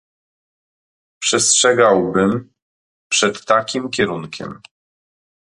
Przestrzegałbym przed takim kierunkiem